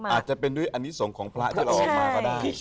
อาจจะเป็นด้วยอันนี้ส่งของพระที่เราออกมาก็ได้